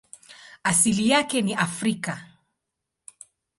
Asili yake ni Afrika.